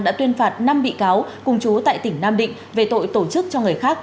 đã tuyên phạt năm bị cáo cùng chú tại tỉnh nam định về tội tổ chức cho người khác